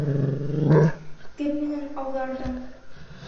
Кем менән ауҙарҙың?